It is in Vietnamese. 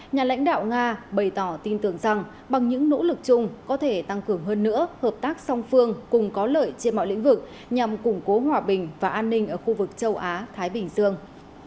nhà lãnh đạo nga bày tỏ tin tưởng rằng bằng những nỗ lực chung có thể tăng cường hơn nữa hợp tác song phương cùng có lợi trên mọi lĩnh vực nhằm củng cố hòa bình và an ninh ở khu vực châu á thái bình dương